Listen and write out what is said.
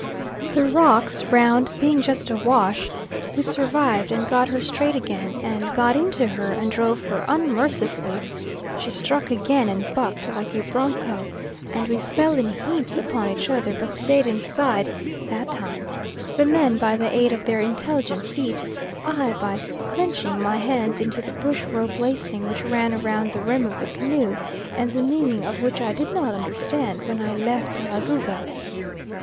The rocks round being just awash, we survived and got her straight again, and got into her and drove her unmercifully; she struck again and bucked like a broncho, and we fell in heaps upon each other, but stayed inside that time the men by the aid of their intelligent feet, I by clinching my hands into the bush rope lacing which ran round the rim of the canoe and the meaning of which I did not understand when I left Talagouga.